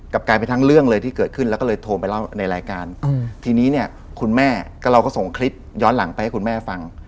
กลายไปทั้งเรื่องเลยที่เกิดขึ้นแล้วก็เลยโทรไปเล่าในรายการทีนี้เนี่ยคุณแม่ก็เราก็ส่งคลิปย้อนหลังไปให้คุณแม่ฟัง